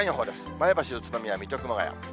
前橋、宇都宮、水戸、熊谷。